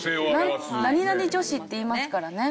何々女子っていいますからね。